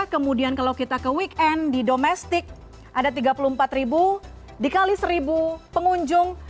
kemudian kalau kita ke weekend di domestik ada tiga puluh empat ribu dikali seribu pengunjung